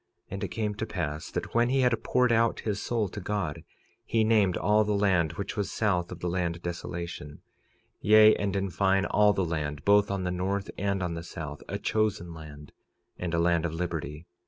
46:17 And it came to pass that when he had poured out his soul to God, he named all the land which was south of the land Desolation, yea, and in fine, all the land, both on the north and on the south—A chosen land, and the land of liberty.